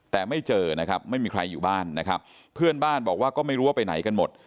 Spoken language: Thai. แต่ไม่เจอนะครับไม่มีใครอยู่บ้านนะครับเพื่อนบ้านบอกว่าก็ไม่รู้ว่าไปไหนกันหมด